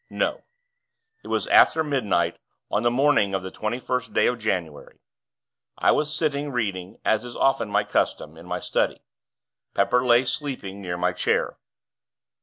No. It was after midnight on the morning of the twenty first day of January. I was sitting reading, as is often my custom, in my study. Pepper lay, sleeping, near my chair.